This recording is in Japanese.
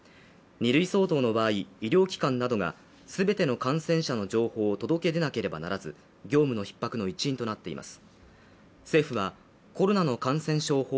２類相当の場合、医療機関などが全ての感染者の情報を届け出なければならず業務のひっ迫の一因となっています。